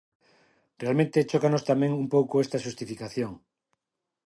Realmente, chócanos tamén un pouco esta xustificación.